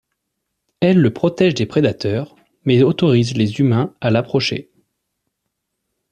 Elle le protège des prédateurs, mais autorise les humains à l'approcher.